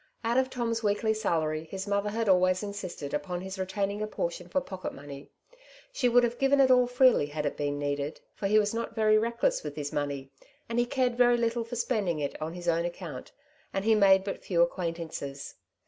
Out of Tom's weekly salary his mother had always insisted upon his retaining a portion for pocket money ; she would have given it all freely had it been needed, for he was not very reckless with his money, and cared very little for spending it on his own account, and he made but few acquaintances.